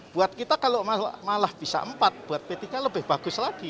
buat kita kalau malah bisa empat buat p tiga lebih bagus lagi